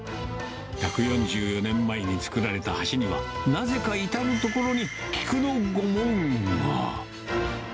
１４４年前に作られた橋には、なぜか至る所に菊の御紋が。